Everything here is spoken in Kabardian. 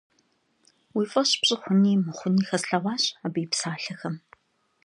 Уи фӀэщ пщӀы хъуни мыхъуни хэслъэгъуащ абы и псалъэхэм.